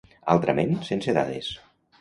Altrament, sense dades.